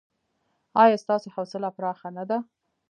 ایا ستاسو حوصله پراخه نه ده؟